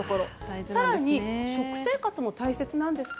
更に、食生活も大切です。